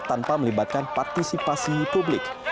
tanpa melibatkan partisipasi publik